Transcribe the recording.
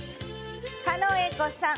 狩野英孝さん